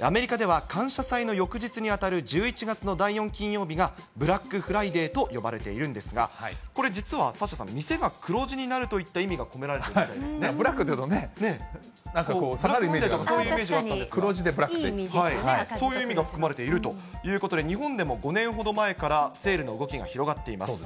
アメリカでは感謝祭の翌日に当たる１１月の第４金曜日が、ブラックフライデーと呼ばれているんですが、これ、実はサッシャさん、店が黒字になるといった意味が込められブラックというとね、なんかこう、日本だと下がるイメージがあるんですが、そういう意味が含まれているということで、日本でも５年ほど前からセールの動きが広がっています。